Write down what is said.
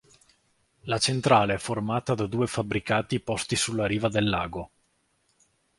La centrale è formata da due fabbricati posti sulla riva del lago.